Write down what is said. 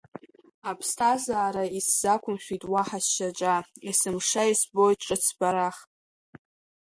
Аԥсҭазаара исзақәмыршәеит уаҳа сшьаҿа, есымша избоит ҿыцбарах…